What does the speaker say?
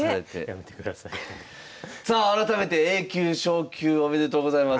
さあ改めてＡ級昇級おめでとうございます！